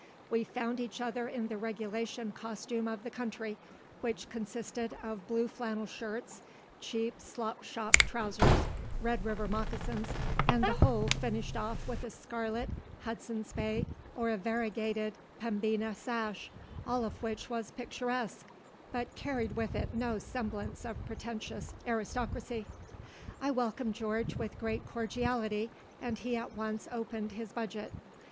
We found each other in the regulation costume of the country, which consisted of blue flannel shirts, cheap slop shop trowsers, Red River moccasins, and the whole finished off with a scarlet Hudson's Bay or a variegated Pembina sash, all of which was picturesque, but carried with it no semblance of pretentious aristocracy. I welcomed George with great cordiality, and he at once opened his budget.